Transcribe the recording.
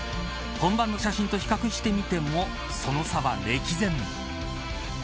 本番の写真と比較してみてもその差は歴然。